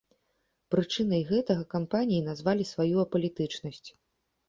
Прычынай гэтага кампаніі назвалі сваю апалітычнасць.